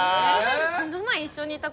この前一緒にいた子は？